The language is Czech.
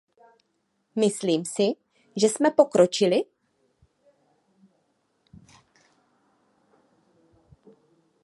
Myslím si, že jsme pokročili?